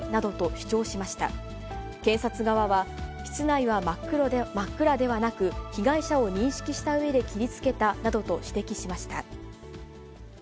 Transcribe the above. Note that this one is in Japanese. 検察側は、室内は真っ暗ではなく、被害者を認識したうえで切りつけたなどと指摘しました。